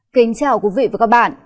kính chào quý vị và các bạn